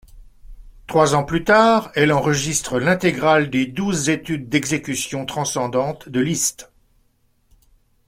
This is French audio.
Trois ans plus tard, elle enregistre l’intégrale des Douze études d'exécution transcendante de Liszt.